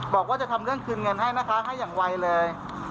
บอกว่าจะทำเรื่องคืนเงินให้นะคะให้อย่างไวเลย